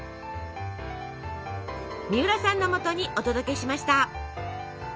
みうらさんのもとにお届けしました。